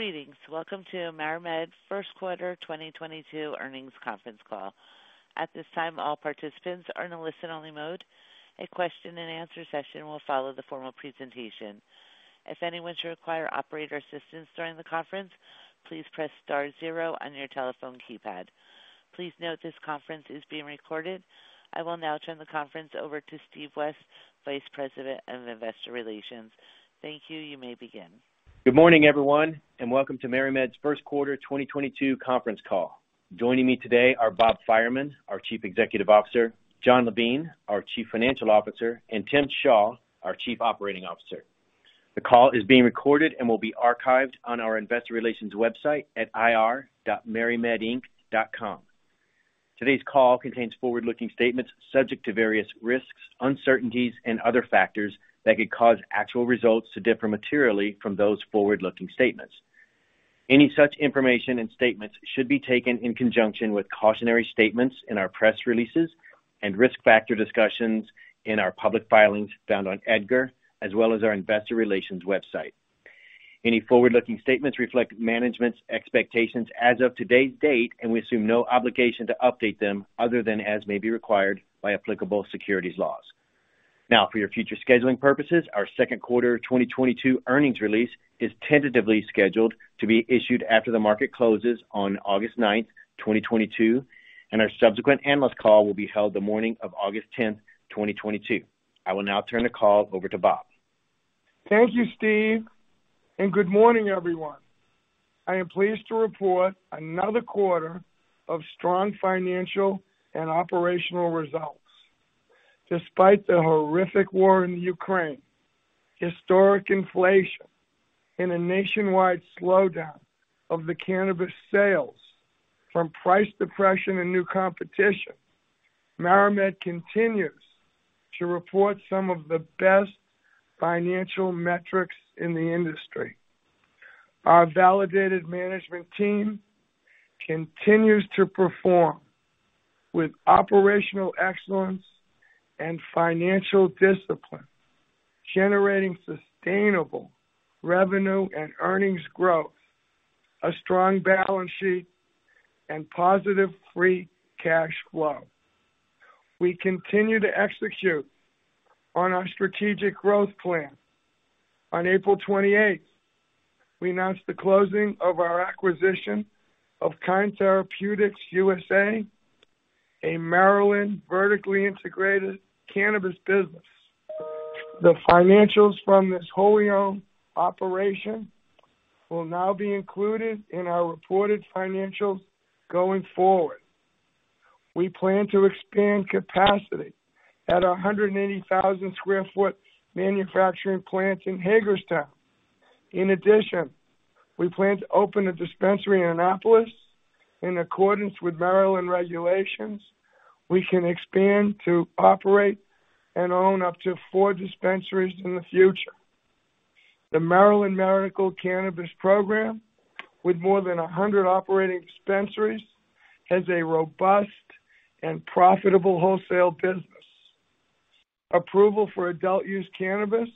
Greetings. Welcome to MariMed first quarter 2022 earnings conference call. At this time, all participants are in a listen-only mode. A question-and-answer session will follow the formal presentation. If anyone should require operator assistance during the conference, please press star zero on your telephone keypad. Please note this conference is being recorded. I will now turn the conference over to Steve West, Vice President of Investor Relations. Thank you. You may begin. Good morning, everyone, and welcome to MariMed's first quarter 2022 conference call. Joining me today are Bob Fireman, our Chief Executive Officer, Jon Levine, our Chief Financial Officer, and Tim Shaw, our Chief Operating Officer. The call is being recorded and will be archived on our investor relations website at ir.marimedinc.com. Today's call contains forward-looking statements subject to various risks, uncertainties and other factors that could cause actual results to differ materially from those forward-looking statements. Any such information and statements should be taken in conjunction with cautionary statements in our press releases and risk factor discussions in our public filings found on EDGAR, as well as our investor relations website. Any forward-looking statements reflect management's expectations as of today's date, and we assume no obligation to update them other than as may be required by applicable securities laws. Now, for your future scheduling purposes, our second quarter 2022 earnings release is tentatively scheduled to be issued after the market closes on August ninth, 2022, and our subsequent analyst call will be held the morning of August tenth, 2022. I will now turn the call over to Bob. Thank you, Steve, and good morning, everyone. I am pleased to report another quarter of strong financial and operational results. Despite the horrific war in Ukraine, historic inflation and a nationwide slowdown of the cannabis sales from price depression and new competition, MariMed continues to report some of the best financial metrics in the industry. Our validated management team continues to perform with operational excellence and financial discipline, generating sustainable revenue and earnings growth, a strong balance sheet, and positive free cash flow. We continue to execute on our strategic growth plan. On April 28th, we announced the closing of our acquisition of Kind Therapeutics U.S.A., a Maryland vertically integrated cannabis business. The financials from this wholly-owned operation will now be included in our reported financials going forward. We plan to expand capacity at our 180,000 sq ft manufacturing plant in Hagerstown. In addition, we plan to open a dispensary in Annapolis. In accordance with Maryland regulations, we can expand to operate and own up to four dispensaries in the future. The Maryland Medical Cannabis Program, with more than 100 operating dispensaries, has a robust and profitable wholesale business. Approval for adult-use cannabis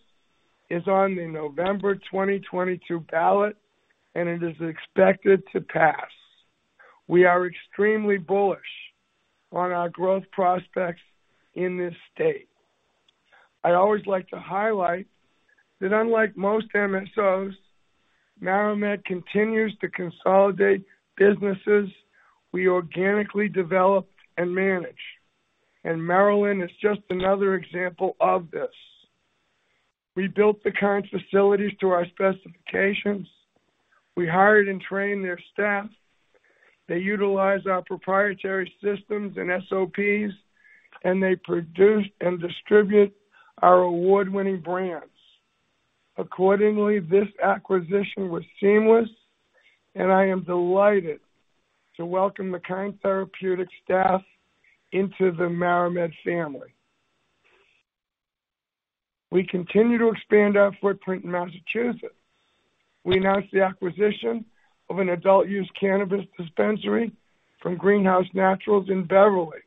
is on the November 2022 ballot, and it is expected to pass. We are extremely bullish on our growth prospects in this state. I always like to highlight that unlike most MSOs, MariMed continues to consolidate businesses we organically develop and manage, and Maryland is just another example of this. We built the Kind facilities to our specifications. We hired and trained their staff. They utilize our proprietary systems and SOPs, and they produce and distribute our award-winning brands. Accordingly, this acquisition was seamless, and I am delighted to welcome the Kind Therapeutics staff into the MariMed family. We continue to expand our footprint in Massachusetts. We announced the acquisition of an adult-use cannabis dispensary from Green House Naturals in Beverly.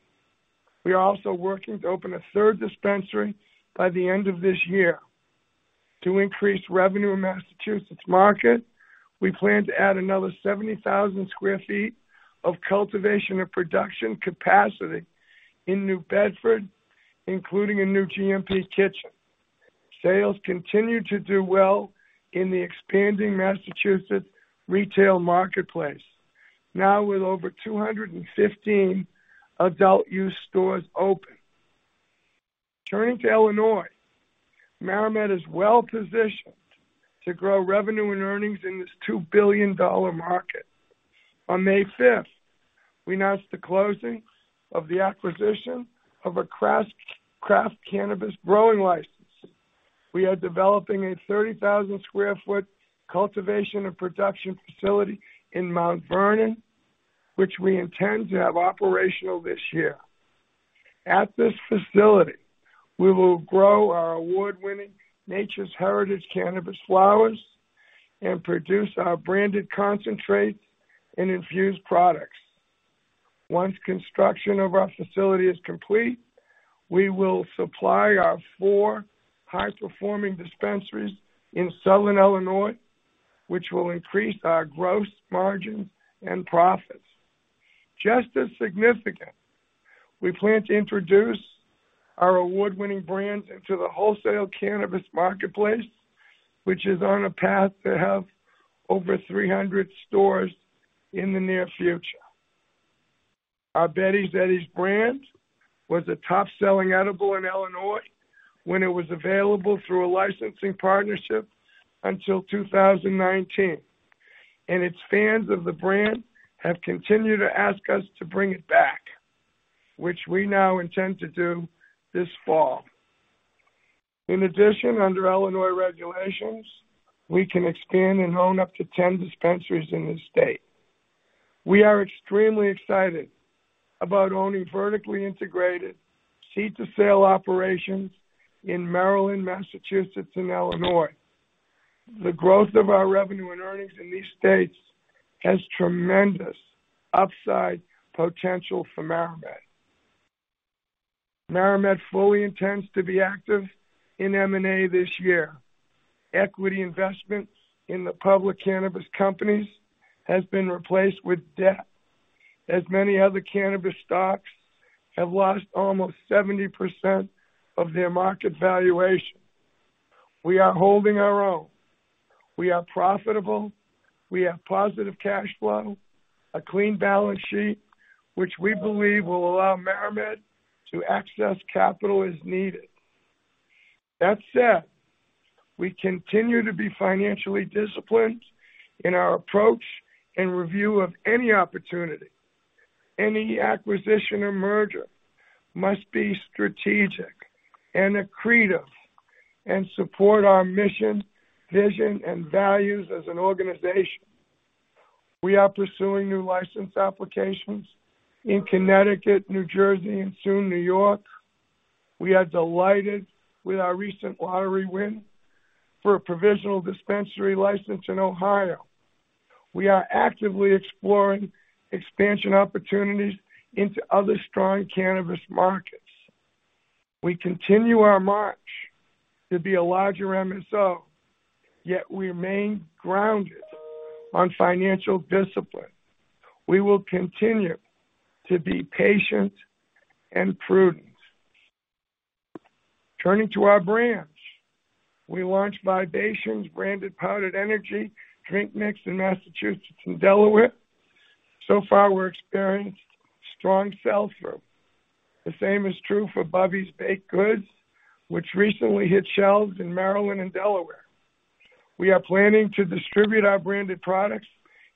We are also working to open a third dispensary by the end of this year. To increase revenue in Massachusetts market, we plan to add another 70,000 sq ft of cultivation and production capacity in New Bedford, including a new GMP kitchen. Sales continue to do well in the expanding Massachusetts retail marketplace, now with over 215 adult-use stores open. Turning to Illinois, MariMed is well-positioned to grow revenue and earnings in this $2 billion market. On May fifth, we announced the closing of the acquisition of a craft cannabis growing license. We are developing a 30,000 sq ft cultivation and production facility in Mount Vernon, which we intend to have operational this year. At this facility, we will grow our award-winning Nature's Heritage cannabis flowers and produce our branded concentrates and infused products. Once construction of our facility is complete, we will supply our four high-performing dispensaries in Southern Illinois, which will increase our gross margin and profits. Just as significant, we plan to introduce our award-winning brands into the wholesale cannabis marketplace, which is on a path to have over 300 stores in the near future. Our Betty's Eddies brand was a top-selling edible in Illinois when it was available through a licensing partnership until 2019, and its fans of the brand have continued to ask us to bring it back, which we now intend to do this fall. In addition, under Illinois regulations, we can expand and own up to 10 dispensaries in the state. We are extremely excited about owning vertically integrated seed-to-sale operations in Maryland, Massachusetts, and Illinois. The growth of our revenue and earnings in these states has tremendous upside potential for MariMed. MariMed fully intends to be active in M&A this year. Equity investments in the public cannabis companies has been replaced with debt, as many other cannabis stocks have lost almost 70% of their market valuation. We are holding our own. We are profitable. We have positive cash flow, a clean balance sheet, which we believe will allow MariMed to access capital as needed. That said, we continue to be financially disciplined in our approach and review of any opportunity. Any acquisition or merger must be strategic and accretive and support our mission, vision, and values as an organization. We are pursuing new license applications in Connecticut, New Jersey, and soon New York. We are delighted with our recent lottery win for a provisional dispensary license in Ohio. We are actively exploring expansion opportunities into other strong cannabis markets. We continue our march to be a larger MSO, yet we remain grounded on financial discipline. We will continue to be patient and prudent. Turning to our brands. We launched Vibations branded powdered energy drink mix in Massachusetts and Delaware. So far, we're experiencing strong sell-through. The same is true for Bubby's Baked Goods, which recently hit shelves in Maryland and Delaware. We are planning to distribute our branded products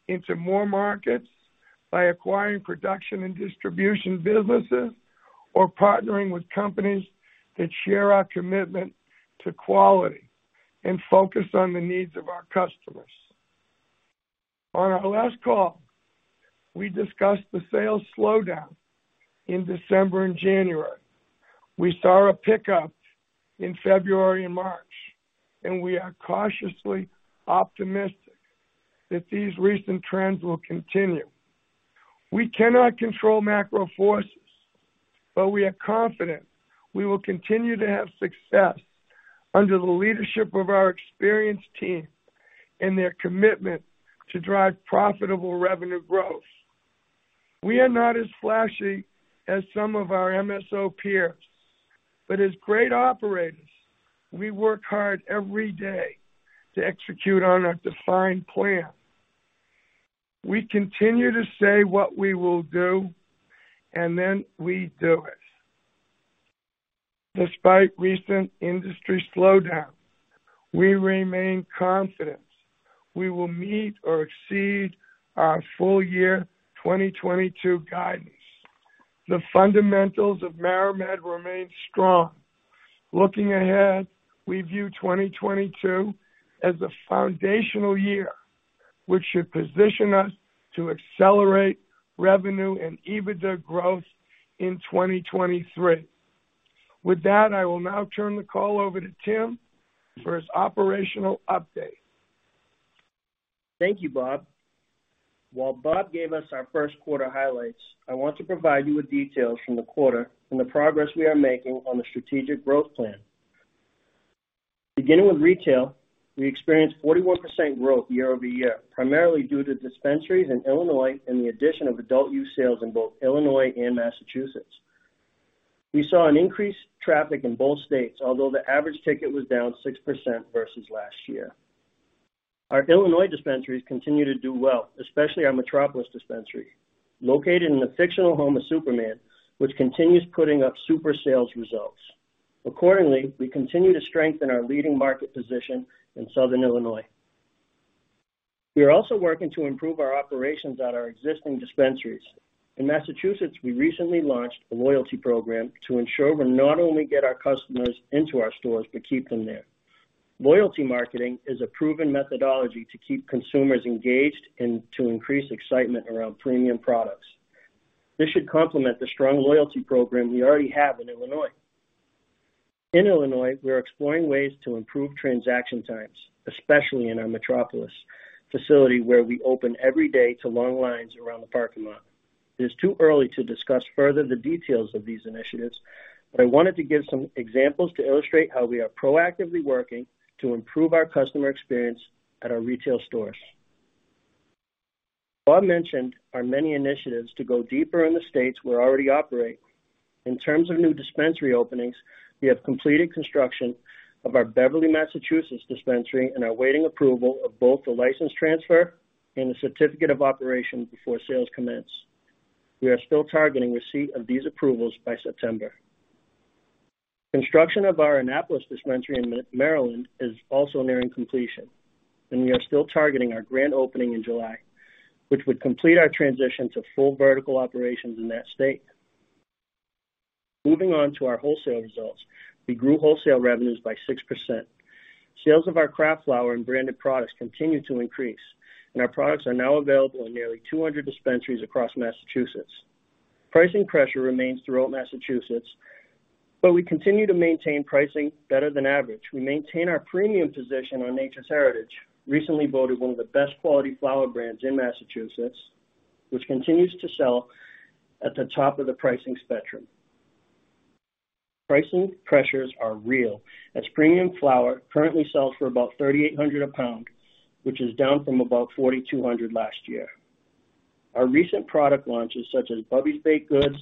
into more markets by acquiring production and distribution businesses or partnering with companies that share our commitment to quality and focus on the needs of our customers. On our last call, we discussed the sales slowdown in December and January. We saw a pickup in February and March, and we are cautiously optimistic that these recent trends will continue. We cannot control macro forces, but we are confident we will continue to have success under the leadership of our experienced team and their commitment to drive profitable revenue growth. We are not as flashy as some of our MSO peers, but as great operators, we work hard every day to execute on our defined plan. We continue to say what we will do, and then we do it. Despite recent industry slowdowns, we remain confident we will meet or exceed our full year 2022 guidance. The fundamentals of MariMed remain strong. Looking ahead, we view 2022 as a foundational year, which should position us to accelerate revenue and EBITDA growth in 2023. With that, I will now turn the call over to Tim for his operational update. Thank you, Bob. While Bob gave us our first quarter highlights, I want to provide you with details from the quarter and the progress we are making on the strategic growth plan. Beginning with retail, we experienced 41% growth year-over-year, primarily due to dispensaries in Illinois and the addition of adult use sales in both Illinois and Massachusetts. We saw an increased traffic in both states, although the average ticket was down 6% versus last year. Our Illinois dispensaries continue to do well, especially our Metropolis dispensary, located in the fictional home of Superman, which continues putting up super sales results. Accordingly, we continue to strengthen our leading market position in Southern Illinois. We are also working to improve our operations at our existing dispensaries. In Massachusetts, we recently launched a loyalty program to ensure we not only get our customers into our stores, but keep them there. Loyalty marketing is a proven methodology to keep consumers engaged and to increase excitement around premium products. This should complement the strong loyalty program we already have in Illinois. In Illinois, we are exploring ways to improve transaction times, especially in our Metropolis facility, where we open every day to long lines around the parking lot. It is too early to discuss further the details of these initiatives, but I wanted to give some examples to illustrate how we are proactively working to improve our customer experience at our retail stores. Bob mentioned our many initiatives to go deeper in the states we already operate. In terms of new dispensary openings, we have completed construction of our Beverly, Massachusetts dispensary and are awaiting approval of both the license transfer and the certificate of operation before sales commence. We are still targeting receipt of these approvals by September. Construction of our Annapolis dispensary in Maryland is also nearing completion, and we are still targeting our grand opening in July, which would complete our transition to full vertical operations in that state. Moving on to our wholesale results. We grew wholesale revenues by 6%. Sales of our craft flower and branded products continue to increase, and our products are now available in nearly 200 dispensaries across Massachusetts. Pricing pressure remains throughout Massachusetts, but we continue to maintain pricing better than average. We maintain our premium position on Nature's Heritage, recently voted one of the best quality flower brands in Massachusetts, which continues to sell at the top of the pricing spectrum. Pricing pressures are real, as premium flower currently sells for about $3,800 a pound, which is down from about $4,200 last year. Our recent product launches, such as Bubby's Baked Goods,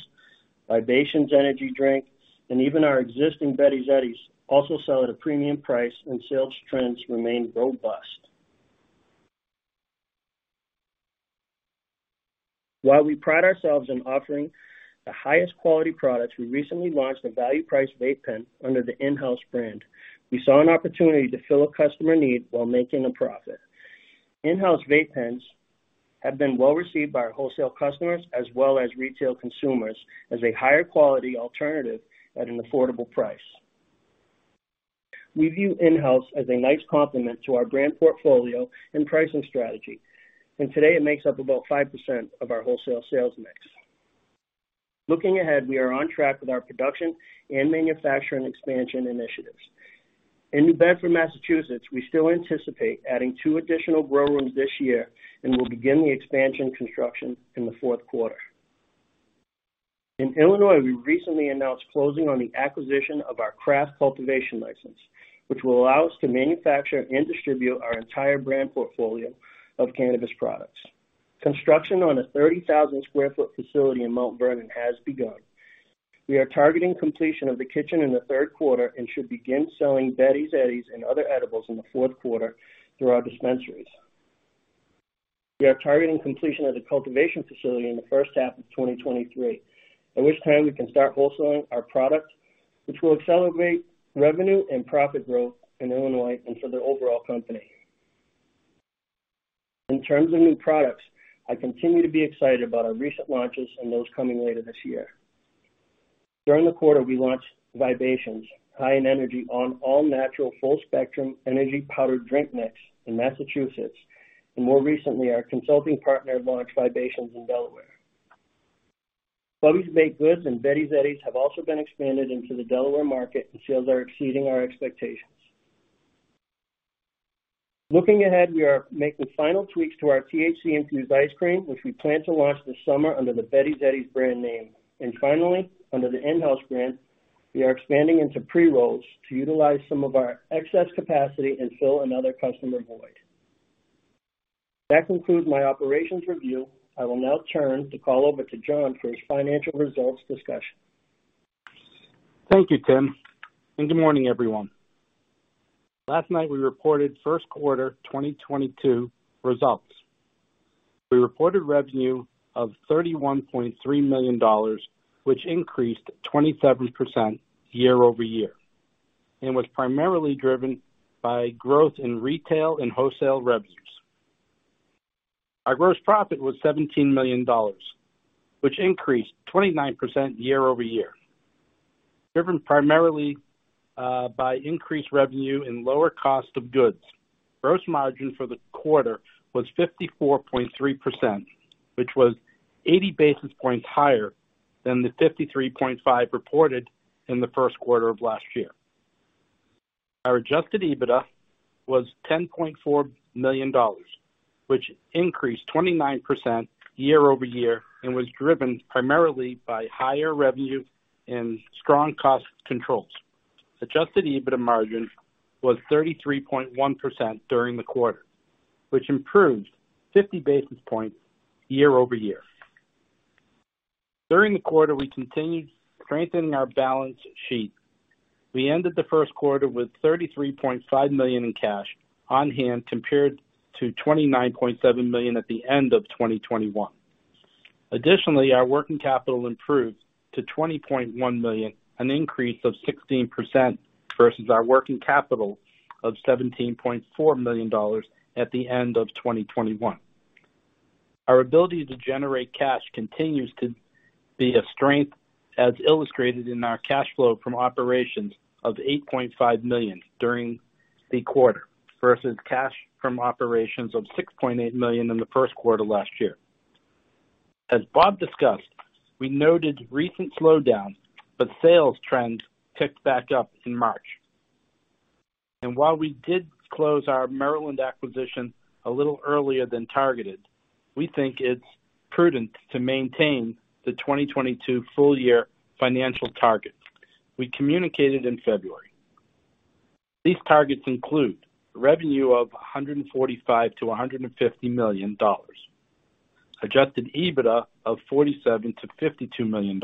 Vibations energy drink, and even our existing Betty's Eddies, also sell at a premium price, and sales trends remain robust. While we pride ourselves in offering the highest quality products, we recently launched a value price vape pen under the InHouse brand. We saw an opportunity to fill a customer need while making a profit. InHouse vape pens have been well received by our wholesale customers as well as retail consumers as a higher quality alternative at an affordable price. We view InHouse as a nice complement to our brand portfolio and pricing strategy, and today it makes up about 5% of our wholesale sales mix. Looking ahead, we are on track with our production and manufacturing expansion initiatives. In New Bedford, Massachusetts, we still anticipate adding two additional grow rooms this year and will begin the expansion construction in the fourth quarter. In Illinois, we recently announced closing on the acquisition of our craft cultivation license, which will allow us to manufacture and distribute our entire brand portfolio of cannabis products. Construction on a 30,000 sq ft facility in Mount Vernon has begun. We are targeting completion of the kitchen in the third quarter and should begin selling Betty's Eddies and other edibles in the fourth quarter through our dispensaries. We are targeting completion of the cultivation facility in the first half of 2023, at which time we can start wholesaling our product, which will accelerate revenue and profit growth in Illinois and for the overall company. In terms of new products, I continue to be excited about our recent launches and those coming later this year. During the quarter, we launched Vibations: High + Energy, an all-natural, full-spectrum energy powdered drink mix in Massachusetts, and more recently, our consulting partner launched Vibations: High + Energy in Delaware. Bubby's Baked Goods and Betty's Eddies have also been expanded into the Delaware market, and sales are exceeding our expectations. Looking ahead, we are making final tweaks to our THC-infused ice cream, which we plan to launch this summer under the Betty's Eddies brand name. Finally, under the InHouse brand, we are expanding into pre-rolls to utilize some of our excess capacity and fill another customer void. That concludes my operations review. I will now turn the call over to Jon for his financial results discussion. Thank you, Tim, and good morning, everyone. Last night, we reported first quarter 2022 results. We reported revenue of $31.3 million, which increased 27% year-over-year and was primarily driven by growth in retail and wholesale revenues. Our gross profit was $17 million, which increased 29% year-over-year, driven primarily by increased revenue and lower cost of goods. Gross margin for the quarter was 54.3%, which was 80 basis points higher than the 53.5 reported in the first quarter of last year. Our adjusted EBITDA was $10.4 million, which increased 29% year-over-year and was driven primarily by higher revenue and strong cost controls. Adjusted EBITDA margin was 33.1% during the quarter, which improved 50 basis points year-over-year. During the quarter, we continued strengthening our balance sheet. We ended the first quarter with $33.5 million in cash on hand compared to $29.7 million at the end of 2021. Additionally, our working capital improved to $20.1 million, an increase of 16% versus our working capital of $17.4 million at the end of 2021. Our ability to generate cash continues to be a strength, as illustrated in our cash flow from operations of $8.5 million during the quarter versus cash from operations of $6.8 million in the first quarter last year. As Bob discussed, we noted recent slowdown, but sales trend picked back up in March. While we did close our Maryland acquisition a little earlier than targeted, we think it's prudent to maintain the 2022 full year financial target we communicated in February. These targets include revenue of $145 million-$150 million, adjusted EBITDA of $47 million-$52 million,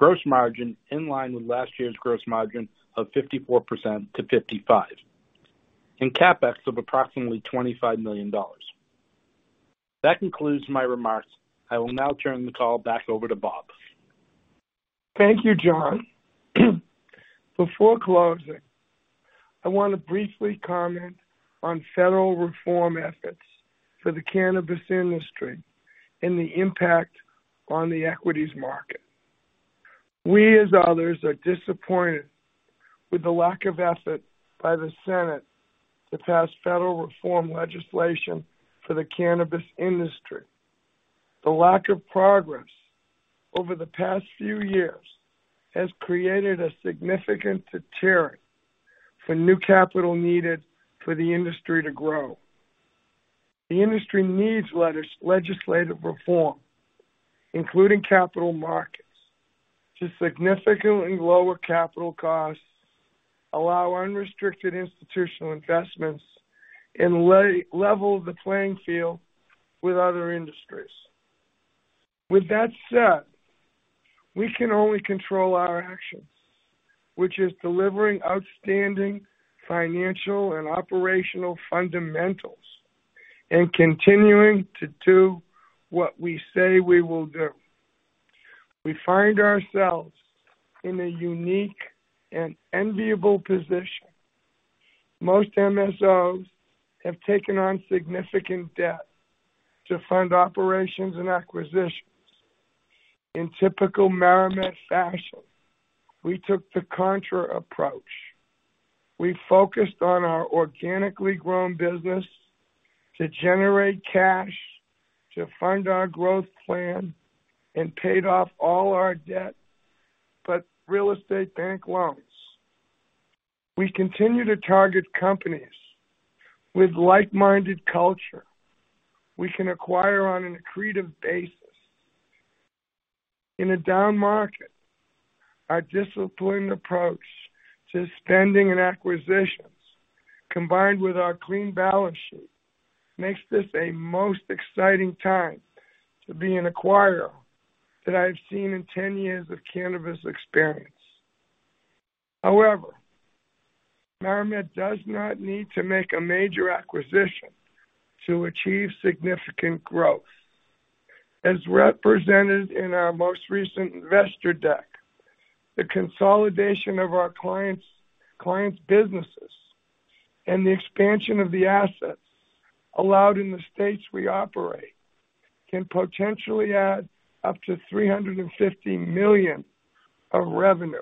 gross margin in line with last year's gross margin of 54%-55%, and CapEx of approximately $25 million. That concludes my remarks. I will now turn the call back over to Bob. Thank you, Jon. Before closing, I want to briefly comment on federal reform efforts for the cannabis industry and the impact on the equities market. We, as others, are disappointed with the lack of effort by the Senate to pass federal reform legislation for the cannabis industry. The lack of progress over the past few years has created a significant deterrent for new capital needed for the industry to grow. The industry needs legislative reform, including capital markets, to significantly lower capital costs, allow unrestricted institutional investments, and level the playing field with other industries. With that said, we can only control our actions, which is delivering outstanding financial and operational fundamentals and continuing to do what we say we will do. We find ourselves in a unique and enviable position. Most MSOs have taken on significant debt to fund operations and acquisitions. In typical MariMed fashion, we took the contra approach. We focused on our organically grown business to generate cash to fund our growth plan and paid off all our debt, but real estate bank loans. We continue to target companies with like-minded culture we can acquire on an accretive basis. In a down market, our disciplined approach to spending and acquisitions, combined with our clean balance sheet, makes this a most exciting time to be an acquirer that I have seen in 10 years of cannabis experience. However, MariMed does not need to make a major acquisition to achieve significant growth. As represented in our most recent investor deck, the consolidation of our clients' businesses and the expansion of the assets allowed in the states we operate can potentially add up to $350 million of revenue.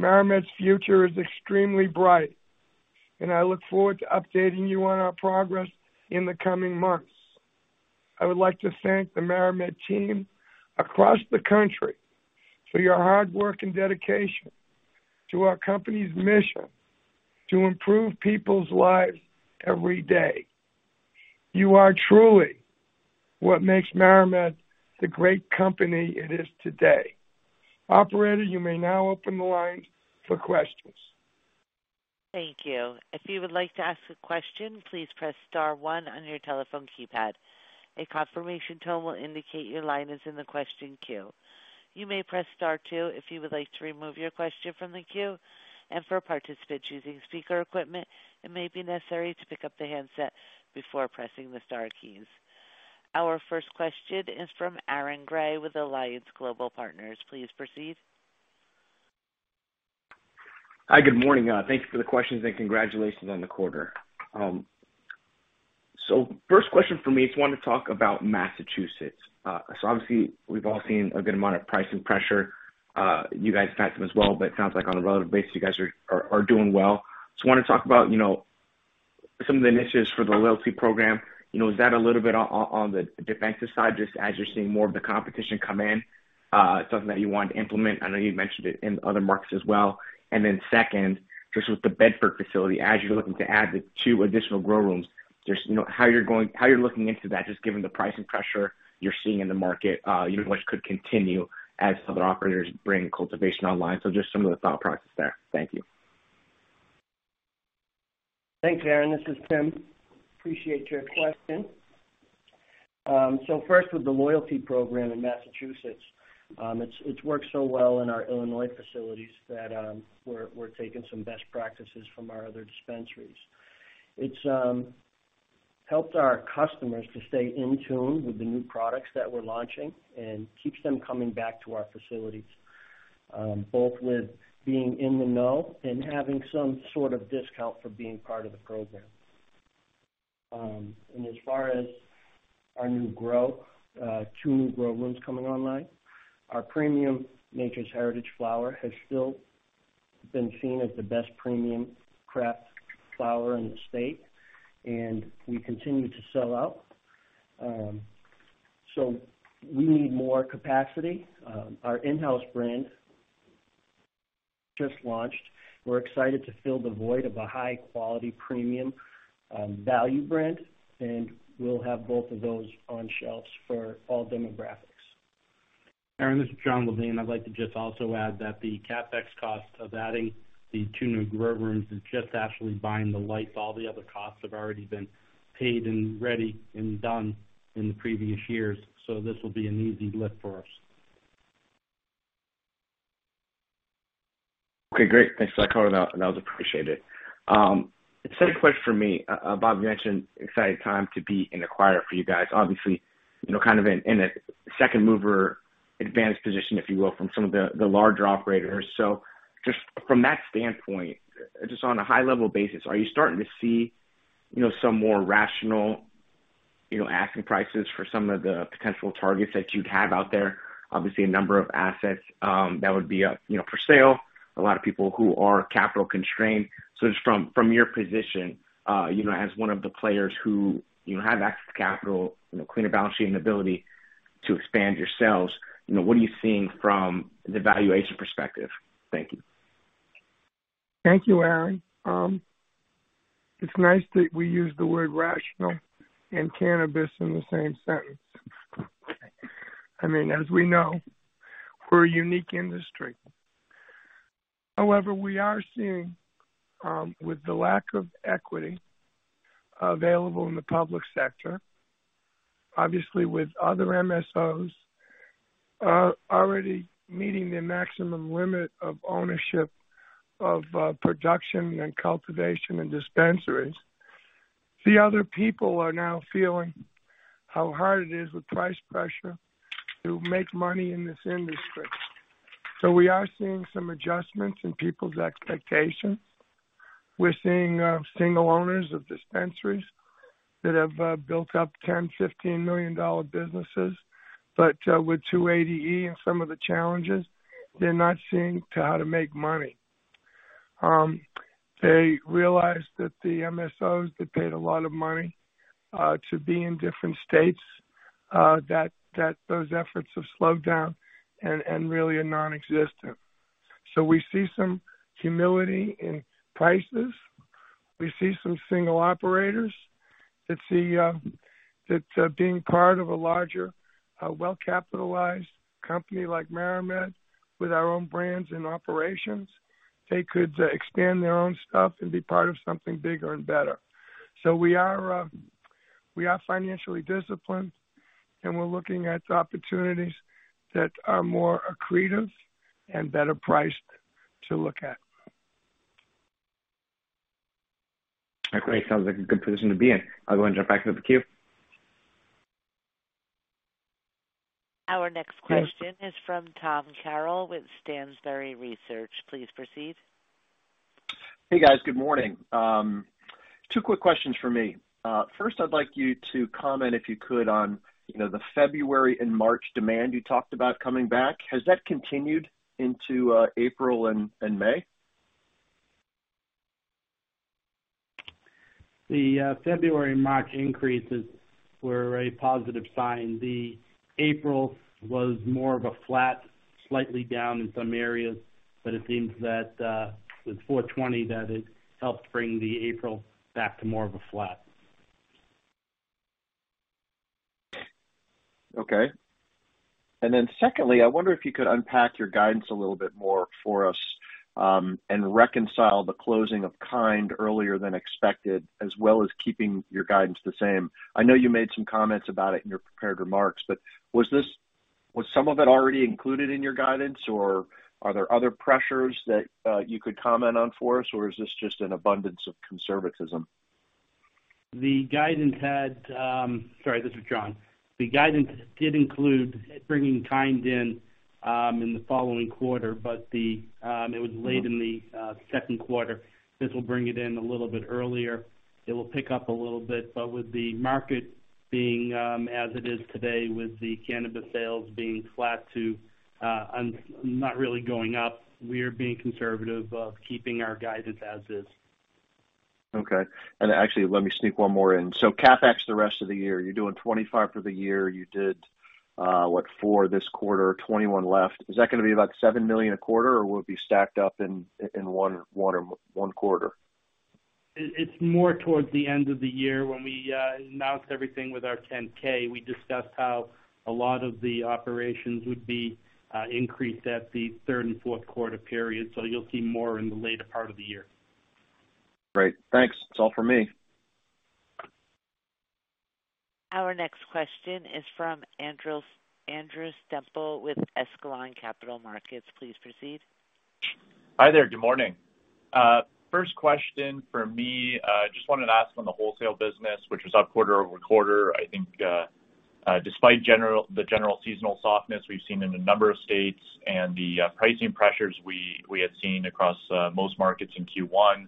MariMed's future is extremely bright, and I look forward to updating you on our progress in the coming months. I would like to thank the MariMed team across the country for your hard work and dedication to our company's mission to improve people's lives every day. You are truly what makes MariMed the great company it is today. Operator, you may now open the line for questions. Thank you. If you would like to ask a question, please press star one on your telephone keypad. A confirmation tone will indicate your line is in the question queue. You may press star two if you would like to remove your question from the queue. For participants using speaker equipment, it may be necessary to pick up the handset before pressing the star keys. Our first question is from Aaron Grey with Alliance Global Partners. Please proceed. Hi. Good morning. Thanks for the questions and congratulations on the quarter. First question for me, just want to talk about Massachusetts. Obviously we've all seen a good amount of pricing pressure. You guys had some as well, but it sounds like on a relative basis, you guys are doing well. Just want to talk about some of the initiatives for the loyalty program. Is that a little bit on the defensive side, just as you're seeing more of the competition come in, something that you want to implement? I know you mentioned it in other markets as well. Second, just with the Bedford facility, as you're looking to add the two additional grow rooms, just how you're looking into that, just given the pricing pressure you're seeing in the market, which could continue as other operators bring cultivation online. Just some of the thought process there. Thank you. Thanks, Aaron. This is Tim. Appreciate your question. First with the loyalty program in Massachusetts, it's worked so well in our Illinois facilities that we're taking some best practices from our other dispensaries. It's helped our customers to stay in tune with the new products that we're launching and keeps them coming back to our facilities, both with being in the know and having some sort of discount for being part of the program. As far as our new grow, two new grow rooms coming online, our premium Nature's Heritage flower has still been seen as the best premium craft flower in the state, and we continue to sell out. We need more capacity. Our InHouse brand just launched. We're excited to fill the void of a high quality, premium, value brand, and we'll have both of those on shelves for all demographics. Aaron, this is Jon Levine. I'd like to just also add that the CapEx cost of adding the two new grow rooms is just actually buying the lights. All the other costs have already been paid and ready and done in the previous years. This will be an easy lift for us. Okay, great. Thanks for that color, that was appreciated. Second question from me. Bob, you mentioned exciting time to be an acquirer for you guys, obviously, you know, kind of in a second mover, advanced position, if you will, from some of the larger operators. Just from that standpoint, just on a high level basis, are you starting to see, you know, some more rational, you know, asking prices for some of the potential targets that you'd have out there? Obviously, a number of assets that would be up, you know, for sale. A lot of people who are capital constrained. Just from your position, you know, as one of the players who, you know, have access to capital, you know, cleaner balance sheet and ability to expand yourselves, you know, what are you seeing from the valuation perspective? Thank you. Thank you, Aaron. It's nice that we use the word rational and cannabis in the same sentence. I mean, as we know, we're a unique industry. However, we are seeing, with the lack of equity available in the public sector, obviously with other MSOs, already meeting the maximum limit of ownership of, production and cultivation and dispensaries. The other people are now feeling how hard it is with price pressure to make money in this industry. We are seeing some adjustments in people's expectations. We're seeing, single owners of dispensaries that have, built up $10 million-$15 million businesses, but, with 280E and some of the challenges, they're not seeing how to make money. They realized that the MSOs that paid a lot of money to be in different states that those efforts have slowed down and really are non-existent. We see some humility in prices. We see some single operators that see that being part of a larger well-capitalized company like MariMed with our own brands and operations, they could expand their own stuff and be part of something bigger and better. We are financially disciplined, and we're looking at opportunities that are more accretive and better priced to look at. Okay. Sounds like a good position to be in. I'll go and jump back into the queue. Our next question is from Tom Carroll with Stansberry Research. Please proceed. Hey, guys. Good morning. Two quick questions for me. First, I'd like you to comment, if you could, on, you know, the February and March demand you talked about coming back. Has that continued into April and May? The February and March increases were a positive sign. The April was more of a flat, slightly down in some areas, but it seems that with 4/20, that it helped bring the April back to more of a flat. Okay. Secondly, I wonder if you could unpack your guidance a little bit more for us, and reconcile the closing of Kind earlier than expected, as well as keeping your guidance the same. I know you made some comments about it in your prepared remarks, but was some of it already included in your guidance, or are there other pressures that you could comment on for us, or is this just an abundance of conservatism? Sorry, this is Jon. The guidance did include bringing Kind in the following quarter, but it was late in the second quarter. This will bring it in a little bit earlier. It will pick up a little bit, but with the market being as it is today, with the cannabis sales being flat to not really going up, we're being conservative of keeping our guidance as is. Actually, let me sneak one more in. CapEx the rest of the year, you're doing $25 million for the year. You did what, $4 million this quarter, $21 million left. Is that gonna be about $7 million a quarter, or will it be stacked up in one quarter? It's more towards the end of the year. When we announced everything with our 10-K, we discussed how a lot of the operations would be increased at the third and fourth quarter period. You'll see more in the later part of the year. Great. Thanks. That's all for me. Our next question is from Andrew Semple with Echelon Capital Markets. Please proceed. Hi there. Good morning. First question for me, just wanted to ask on the wholesale business, which was up quarter-over-quarter. I think, despite the general seasonal softness we've seen in a number of states and the pricing pressures we have seen across most markets in Q1.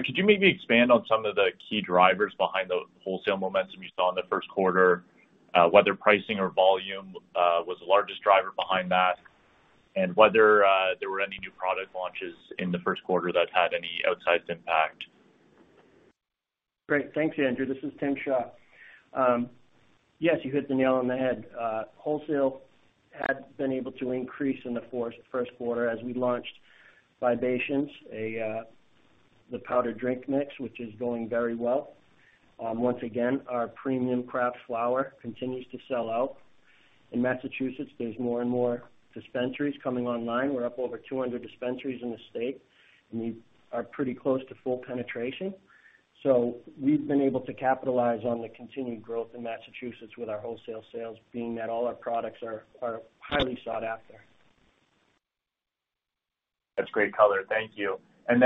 Could you maybe expand on some of the key drivers behind the wholesale momentum you saw in the first quarter, whether pricing or volume was the largest driver behind that, and whether there were any new product launches in the first quarter that had any outsized impact? Great. Thanks, Andrew. This is Tim Shaw. Yes, you hit the nail on the head. Wholesale had been able to increase in the first quarter as we launched Vibations, the powdered drink mix, which is going very well. Once again, our premium craft flower continues to sell out. In Massachusetts, there's more and more dispensaries coming online. We're up over 200 dispensaries in the state, and we are pretty close to full penetration. We've been able to capitalize on the continued growth in Massachusetts with our wholesale sales, being that all our products are highly sought after. That's great color. Thank you. You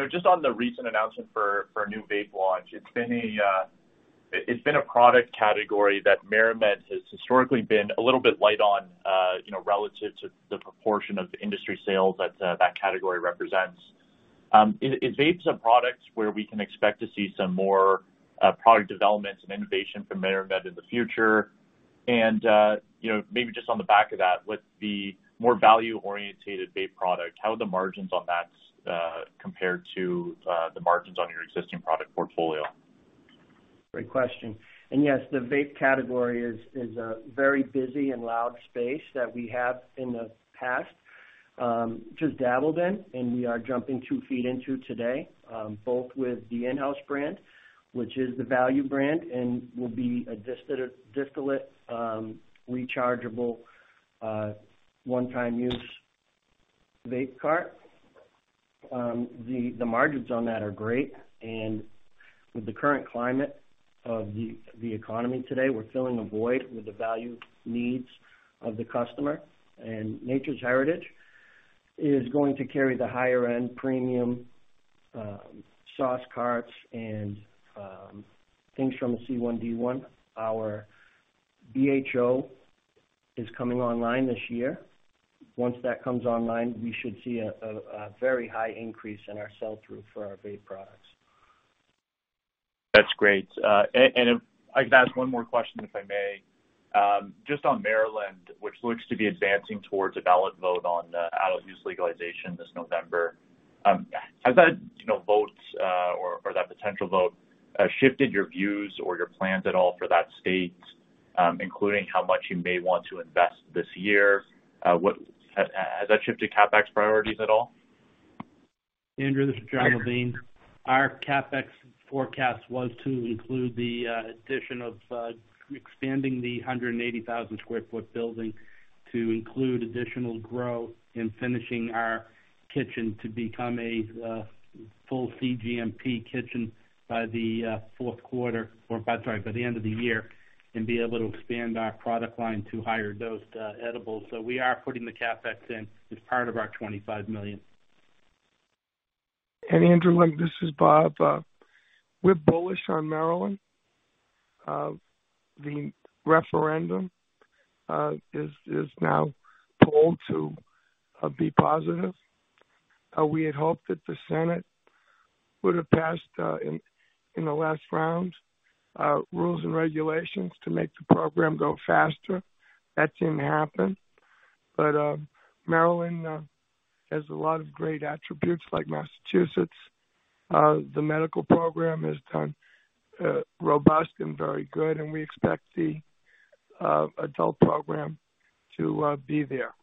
know, just on the recent announcement for a new vape launch, it's been a product category that MariMed has historically been a little bit light on, you know, relative to the proportion of industry sales that that category represents. Is vapes a product where we can expect to see some more product development and innovation from MariMed in the future? You know, maybe just on the back of that, with the more value-oriented vape product, how are the margins on that compare to the margins on your existing product portfolio? Great question. Yes, the vape category is a very busy and loud space that we have in the past just dabbled in, and we are jumping two feet into today, both with the InHouse brand, which is the value brand and will be a distillate rechargeable one-time use vape cart. The margins on that are great. With the current climate of the economy today, we're filling a void with the value needs of the customer. Nature's Heritage is going to carry the higher end premium sauce carts and things from the C1D1. Our BHO is coming online this year. Once that comes online, we should see a very high increase in our sell-through for our vape products. That's great. And if I could ask one more question, if I may. Just on Maryland, which looks to be advancing towards a ballot vote on adult use legalization this November, has that, you know, vote or that potential vote, shifted your views or your plans at all for that state, including how much you may want to invest this year? Has that shifted CapEx priorities at all? Andrew, this is Jon Levine. Our CapEx forecast was to include the addition of expanding the 180,000 sq ft building to include additional growth in finishing our kitchen to become a full cGMP kitchen by the fourth quarter or by, sorry, by the end of the year and be able to expand our product line to higher dosed edibles. We are putting the CapEx in as part of our $25 million. Andrew, this is Bob. We're bullish on Maryland. The referendum is now polled to be positive. We had hoped that the Senate would have passed in the last round rules and regulations to make the program go faster. That didn't happen. Maryland has a lot of great attributes like Massachusetts. The medical program has been robust and very good, and we expect the adult program to be there.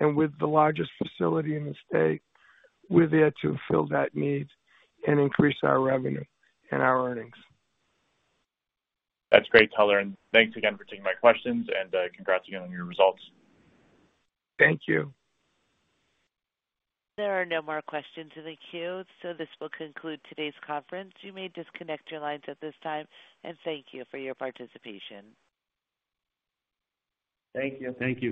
With the largest facility in the state, we're there to fill that need and increase our revenue and our earnings. That's great color, and thanks again for taking my questions and congrats again on your results. Thank you. There are no more questions in the queue, so this will conclude today's conference. You may disconnect your lines at this time, and thank you for your participation. Thank you. Thank you.